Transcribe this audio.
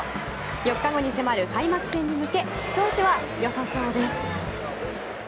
４日後に迫る開幕戦に向け調子は良さそうです。